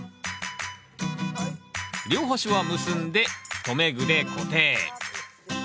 両端は結んで留め具で固定。